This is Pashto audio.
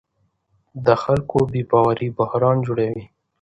د خلکو بې باوري بحران جوړوي